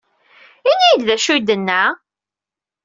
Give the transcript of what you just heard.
Ini-iyi-d d acu ay d-yenna.